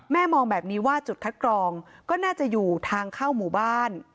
มองแบบนี้ว่าจุดคัดกรองก็น่าจะอยู่ทางเข้าหมู่บ้าน